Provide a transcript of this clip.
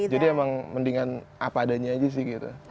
jadi emang mendingan apa adanya aja sih gitu